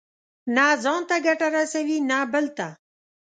نه ځان ته ګټه رسوي، نه بل ته.